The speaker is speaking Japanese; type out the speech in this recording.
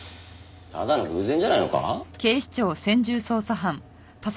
ただの偶然じゃないのか？